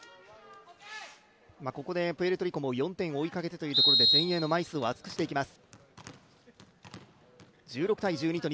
プエルトリコも４点を追いかけてというところで前衛の枚数を増やしていきます。